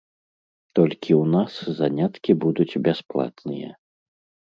Толькі ў нас заняткі будуць бясплатныя.